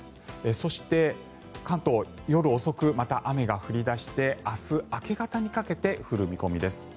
そして、関東、夜遅くまた雨が降り出して明日明け方にかけて降る見込みです。